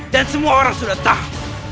dan semua orang sudah tahu